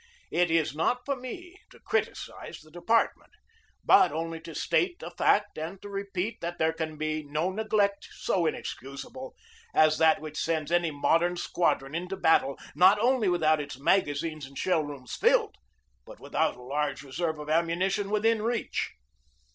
It is not for me to criticise the department, but only to state a fact and to repeat that there can be no neglect so inexcusable as that which sends any modern squadron into battle not only without its magazines and shell rooms filled, but without a large reserve of ammuni tion within reach.